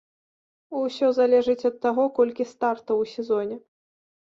Усё залежыць ад таго, колькі стартаў у сезоне.